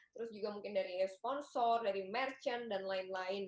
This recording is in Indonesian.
terus juga mungkin dari sponsor dari merchant dan lain lain